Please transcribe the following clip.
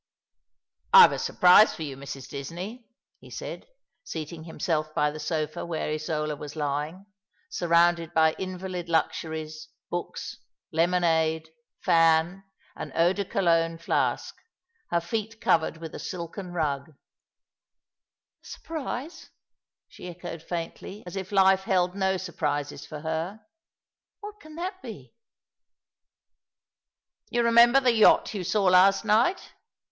" I've a surprise for you, Mrs. Disney," he said, seating himself by the sofa where Isola was lying, surrounded by invalid luxuries, books, lemonade, fan, and eau de Cologne flask, her feet covered with a silken rug. 246 All along the River, "A surprise!" she echoed faintly, as if life held no surprises for her. " What can that be ?"" You remember the yacht you saw last night